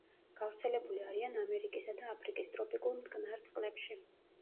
გავრცელებული არიან ამერიკისა და აფრიკის ტროპიკულ მტკნარ წყლებში.